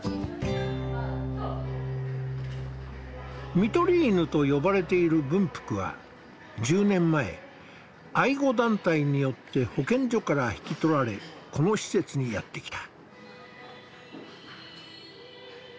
「看取り犬」と呼ばれている文福は１０年前愛護団体によって保健所から引き取られこの施設にやって来た。